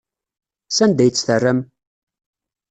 Sanda ay tt-terram?